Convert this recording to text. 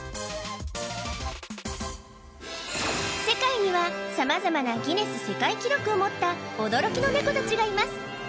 世界には様々なギネス世界記録を持った驚きのネコたちがいます